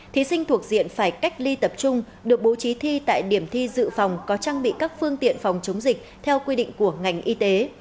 thí sinh thuộc diện phải cách ly tập trung được bố trí thi tại điểm thi dự phòng có trang bị các phương tiện phòng chống dịch theo quy định của ngành y tế